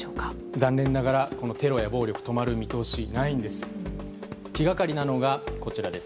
残念ながらテロや暴力止まる見通しはないんです。